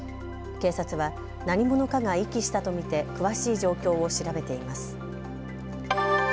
警察は何者かが遺棄したと見て詳しい状況を調べています。